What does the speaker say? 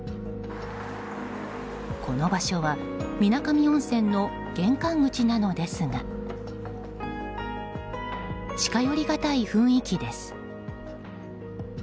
この場所は水上温泉の玄関口なのですが近寄りがたい雰囲気です。